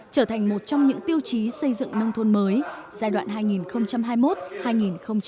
trở thành một trong những tiêu chí xây dựng nông thôn mới giai đoạn hai nghìn hai mươi một hai nghìn ba mươi